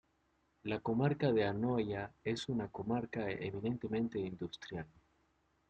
La comarca de Anoia es una comarca eminentemente industrial.